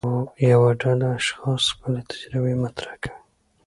یوه ډله اشخاص خپلې تجربې مطرح کوي.